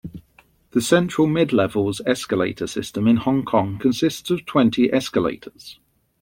The Central-Midlevels escalator system in Hong Kong consists of twenty escalators.